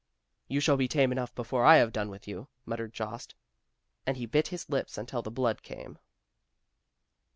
"You shall be tame enough before I have done with you," muttered Jost, and he bit his lips until the blood came.